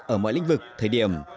ở mọi lĩnh vực thời điểm